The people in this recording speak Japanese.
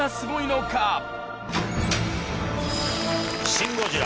『シン・ゴジラ』